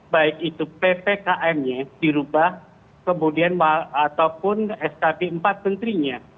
baik itu ppkm nya dirubah kemudian ataupun skb empat menterinya